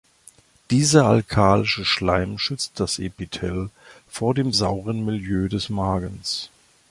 Dieser alkalische Schleim schützt das Epithel vor dem sauren Milieu des Magens.